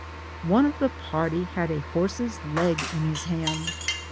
One of the party had a horse's leg in his hand.